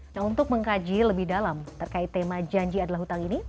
nah untuk mengkaji lebih dalam terkait tema janji adalah hutang ini